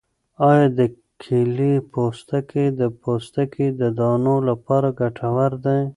آیا د کیلې پوستکی د پوستکي د دانو لپاره ګټور دی؟